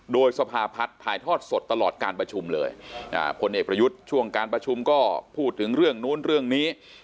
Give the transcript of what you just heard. โดยสภาพัฒน์ถ่ายทอดสดตลอดการประชุมเลยพลเอกประยุทธ์ช่วงการประชุมก็พูดถึงเรื่องนู้นเรื่องนี้